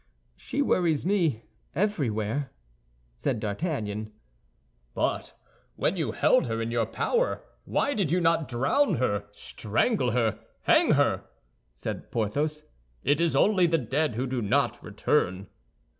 "She worries me everywhere," said D'Artagnan. "But when you held her in your power, why did you not drown her, strangle her, hang her?" said Porthos. "It is only the dead who do not return."